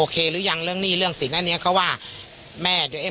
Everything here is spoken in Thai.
ครับ